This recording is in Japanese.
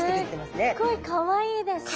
すっごいかわいいですね。